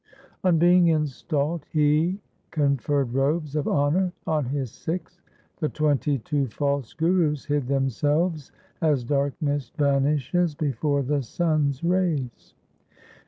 On being installed he conferred robes of honour on his Sikhs. The twenty two false gurus hid them selves as darkness vanishes before the sun's rays.